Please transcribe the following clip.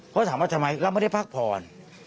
เขาถามว่าทำไมเราไม่ได้พักผ่อน